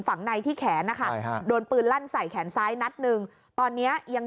ฝั่งในที่แขนนะคะโดนปืนลั่นใส่แขนซ้ายนัดหนึ่งตอนเนี้ยยัง